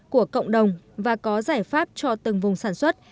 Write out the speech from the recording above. của cộng đồng và có giải pháp cho từng vùng sản xuất